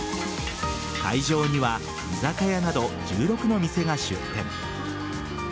会場には居酒屋など１６の店が出店。